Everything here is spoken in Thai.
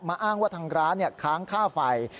อ้างว่าทางร้านค้างค่าไฟ